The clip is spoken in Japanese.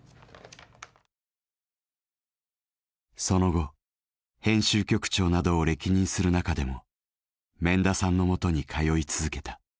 その後編集局長などを歴任する中でも免田さんのもとに通い続けた。